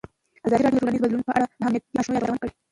ازادي راډیو د ټولنیز بدلون په اړه د امنیتي اندېښنو یادونه کړې.